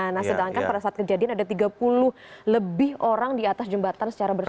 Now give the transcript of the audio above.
nah sedangkan pada saat kejadian ada tiga puluh lebih orang di atas jembatan secara bersama